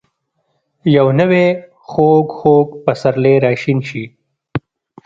یو نوی ،خوږ. خوږ پسرلی راشین شي